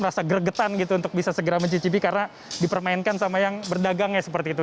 rasa gregetan gitu untuk bisa segera mencicipi karena dipermainkan sama yang berdagang ya seperti itu